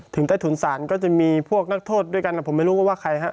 ใต้ถุนศาลก็จะมีพวกนักโทษด้วยกันผมไม่รู้ว่าใครฮะ